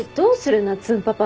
なっつんパパ。